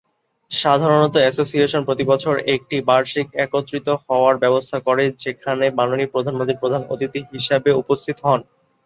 সাধারণত এসোসিয়েশন প্রতিবছর একটি বার্ষিক একত্রিত হওয়ার ব্যবস্থা করে যেখানে মাননীয় প্রধানমন্ত্রী প্রধান অতিথি হিসাবে উপস্থিত হন।